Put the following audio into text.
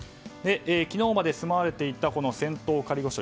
昨日まで住まわれていた仙洞仮御所